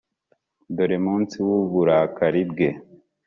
dore munsi w’uburakari bwe!